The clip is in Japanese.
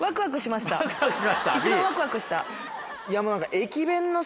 一番ワクワクした。